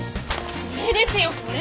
これですよこれ。